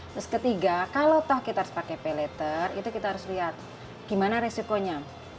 terus ketiga kalau kita harus pakai payletter itu kita harus lihat gimana resikonya